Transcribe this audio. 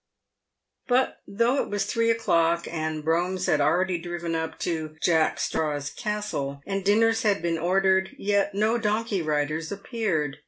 But though it was three o'clock, and broughams had already driven up to " Jack Straw's Castle," and dinners had been ordered, yet no donkey riders appeared.